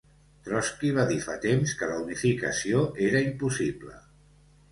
Trotski va dir fa temps que la unificació era impossible.